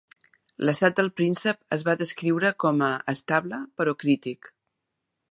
L'estat del príncep es va descriure com a "estable, però crític".